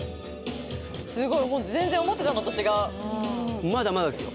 すごいもう全然思ってたのと違うまだまだですよ